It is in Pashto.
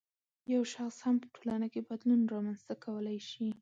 یو شخص هم په ټولنه کې بدلون رامنځته کولای شي